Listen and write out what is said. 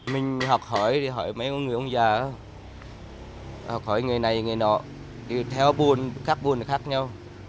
mình học hỏi mấy người ông già học hỏi người này người nọ theo buôn khác buôn khác nhau